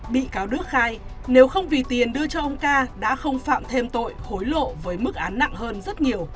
bị cáo đức khai nếu không vì tiền đưa cho ông ca đã không phạm thêm tội hối lộ với mức án nặng hơn rất nhiều